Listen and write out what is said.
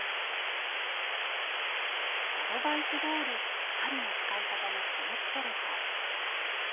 アドバイスどおり針の使い方に気をつけると。